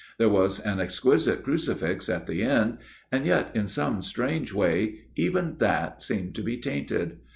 There was an exquisite crucifix at the end, and yet, in some strange way, even that seemed to be tainted.